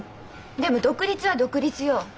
でも独立は独立よ。